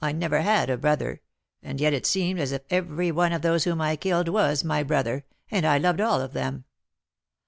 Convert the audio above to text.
I never had a brother; and yet it seemed as if every one of those whom I killed was my brother, and I loved all of them.